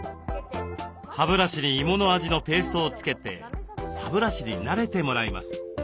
歯ブラシに芋の味のペーストを付けて歯ブラシに慣れてもらいます。